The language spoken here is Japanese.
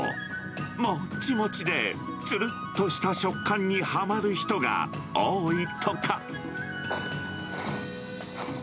もっちもちでつるっとした食感にはまる人が多いとか。